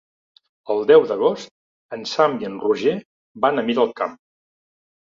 El deu d'agost en Sam i en Roger van a Miralcamp.